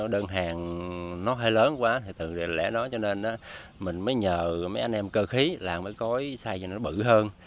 cơn hàng nó hơi lớn quá thì từ lẽ đó cho nên mình mới nhờ mấy anh em cơ khí làm mới có size cho nó bự hơn